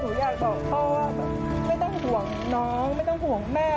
หนูอยากบอกพ่อว่าแบบไม่ต้องห่วงน้องไม่ต้องห่วงแม่